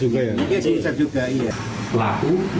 ternyata tersangka berusaha melarikan diri